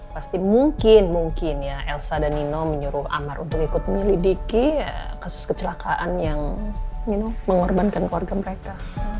pasti mungkin mungkin ya elsa dan nino menyuruh amar untuk ikut menyelidiki kasus kecelakaan yang mengorbankan keluarga mereka